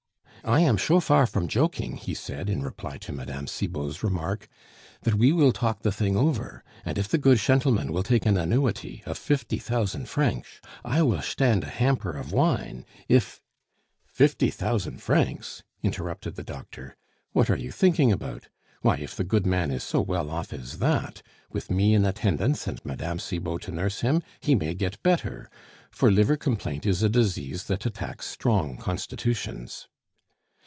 "I am sho far from joking," he said, in reply to Mme. Cibot's remark, "that we will talk the thing over; and if the good shentleman will take an annuity, of fifty thousand francsh, I will shtand a hamper of wine, if " "Fifty thousand francs!" interrupted the doctor; "what are you thinking about? Why, if the good man is so well off as that, with me in attendance, and Mme. Cibot to nurse him, he may get better for liver complaint is a disease that attacks strong constitutions."